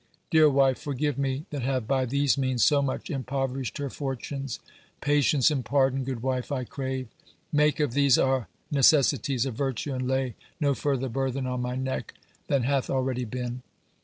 Deere wife forgive me, that have by these means so much impoverished her fortunes; patience and pardon good wife I craue make of these our necessities a vertue, and lay no further burthen on my neck than hath alreadie been.